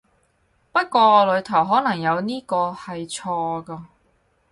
不過裡頭可能有呢個係錯個